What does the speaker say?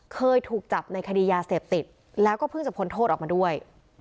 เคยถูกจับในคดียาเสพติดแล้วก็เพิ่งจะพ้นโทษออกมาด้วย